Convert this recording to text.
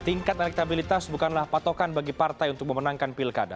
tingkat elektabilitas bukanlah patokan bagi partai untuk memenangkan pilkada